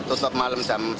tutup malam jam sebelas